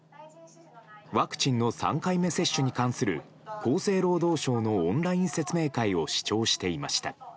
ワクチンの３回目接種に関する厚生労働省のオンライン説明会を視聴していました。